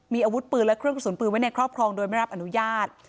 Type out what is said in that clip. มีอาวุธปืนและเครื่องกระสุนปืนไว้ในครอบครองโดยไม่รับอนุญาต